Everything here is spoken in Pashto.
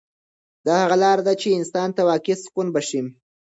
دا هغه لاره ده چې انسان ته واقعي سکون بښي.